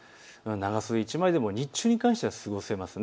長袖１枚でも日中に関しては過ごせそうです。